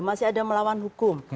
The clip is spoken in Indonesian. masih ada melawan hukum